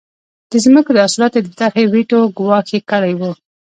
د ځمکو د اصلاحاتو د طرحې ویټو ګواښ یې کړی و.